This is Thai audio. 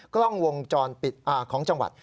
กล้องวงจรปิดของจังหวัด